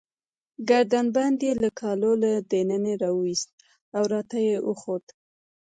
ګردن بند يې له کالو له دننه راوایستی، او راته يې وښود.